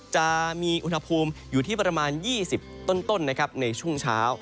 จะมีอุณหภูมิอยู่ที่ประมาณ๒๐ต้นในช่วงเช้า